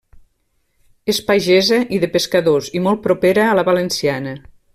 És pagesa i de pescadors, i molt propera a la valenciana.